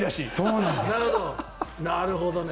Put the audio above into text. なるほどね。